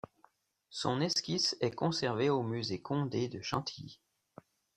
Son esquisse est conservée au musée Condé de Chantilly.